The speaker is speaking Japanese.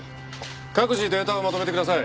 各自データをまとめてください。